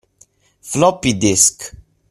Floppy disk.